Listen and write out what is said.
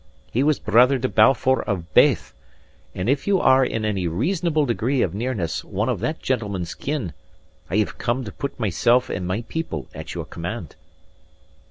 He was brother to Balfour of Baith; and if you are in any reasonable degree of nearness one of that gentleman's kin, I have come to put myself and my people at your command."